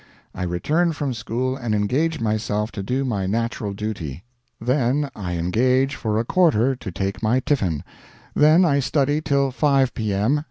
I return from school and engage myself to do my natural duty, then, I engage for a quarter to take my tiffin, then I study till 5 P. M.